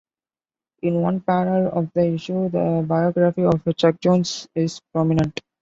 In one panel of the issue, the biography of Chuck Jones is prominent.